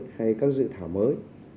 hay các dự thảo mới